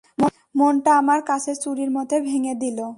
মনটা আমার কাচের চুড়ির মত ভেঙ্গে দিল।